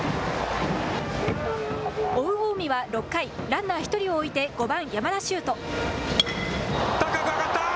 追う近江は６回、ランナー１人を置いて５番・山田修斗。